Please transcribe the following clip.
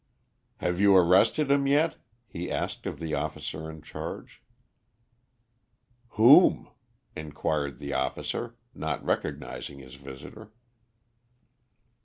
"Have you arrested him yet?" he asked of the officer in charge. "Whom?" inquired the officer, not recognising his visitor.